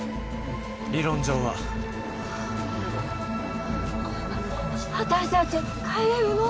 理論上は私たち帰れるの？